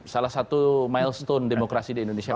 salah satu milestone demokrasi di indonesia